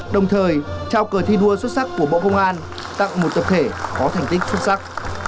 đồng thời trao cờ thi đua xuất sắc của bộ công an tặng một tập thể có thành tích xuất sắc